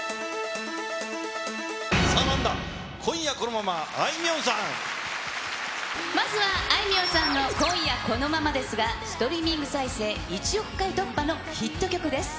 さあなんだ、まずはあいみょんさんの今夜このままですが、ストリーミング再生１億回突破のヒット曲です。